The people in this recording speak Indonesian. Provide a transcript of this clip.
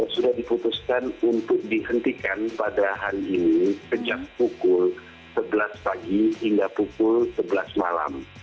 sudah diputuskan untuk dihentikan pada hari ini sejak pukul sebelas pagi hingga pukul sebelas malam